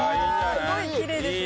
すごいきれいですね。